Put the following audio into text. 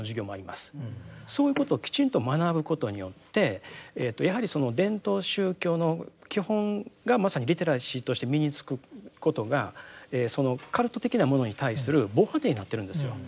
そういうことをきちんと学ぶことによってやはりその伝統宗教の基本がまさにリテラシーとして身につくことがカルト的なものに対する防波堤になってるんですよ。